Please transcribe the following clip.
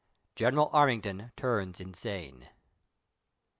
GENEKAL APtMINGTOX TURNS IXSANE.